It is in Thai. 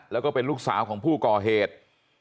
แล้วก็เป็นลูกสาวของผู้ก่อเหตุ